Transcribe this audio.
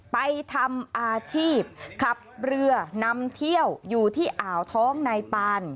ไปทำอาชีพขับเรือนำเที่ยวอยู่ที่อ่าวท้องนายปาน